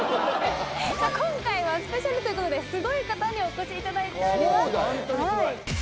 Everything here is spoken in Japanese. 今回はスペシャルということですごい方にお越しいただいております。